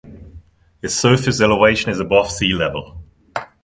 Its surface elevation is above sea level.